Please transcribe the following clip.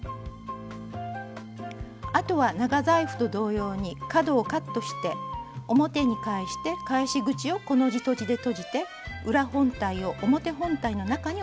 あとは長財布と同様に角をカットして表に返して返し口をコの字とじでとじて裏本体を表本体の中に収めます。